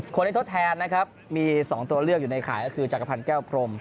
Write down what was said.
คนที่ทดแทนนะครับมี๒ตัวเลือกอยู่ในข่ายก็คือจักรพันธ์แก้วพรม